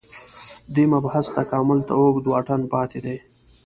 دې مبحث تکامل ته اوږد واټن پاتې دی